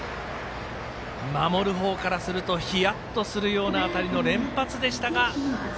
守る方からするとヒヤッとするような当たりの連発でした。